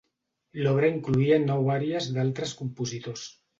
L'obra incloïa nou àries d'altres compositors.